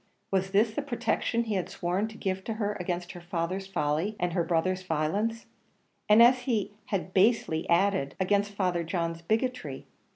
was this the protection he had sworn to give her against her father's folly, and her brother's violence? and, as he had basely added, against Father John's bigotry?